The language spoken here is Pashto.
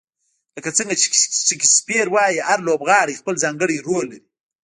لکه څنګه چې شکسپیر وایي، هر لوبغاړی خپل ځانګړی رول لري.